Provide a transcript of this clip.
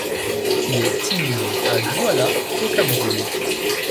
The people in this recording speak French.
Il est inhumé à Douala au Cameroun.